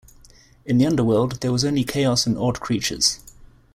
In the underworld, there was only chaos and odd creatures.